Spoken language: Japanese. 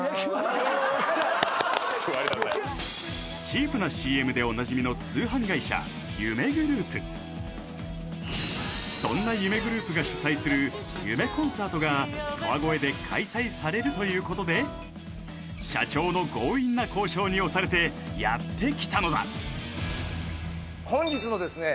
チープなＣＭでおなじみの通販会社夢グループそんな夢グループが主催する夢コンサートが川越で開催されるということで社長の強引な交渉に押されてやってきたのだ本日のですね